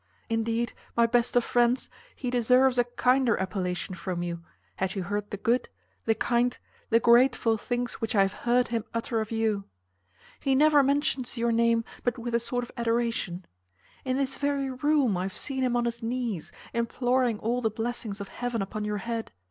Indeed, my best of friends, he deserves a kinder appellation from you, had you heard the good, the kind, the grateful things which I have heard him utter of you. He never mentions your name but with a sort of adoration. In this very room I have seen him on his knees, imploring all the blessings of heaven upon your head.